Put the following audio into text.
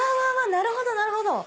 なるほどなるほど！